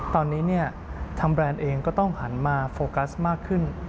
ตอนนี้ทางแบรนด์เองก็ต้องหันมาโฟกัสมากขึ้น